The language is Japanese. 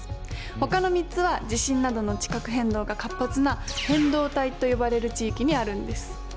ほかの３つは地震などの地殻変動が活発な変動帯と呼ばれる地域にあるんです。